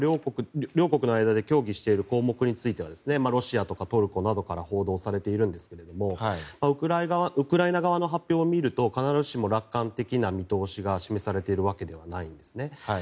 両国の間で協議している項目についてはロシアとかトルコなどから報道されているんですがウクライナ側の発表を見ると必ずしも楽観的な見通しが示されているわけではないんですね。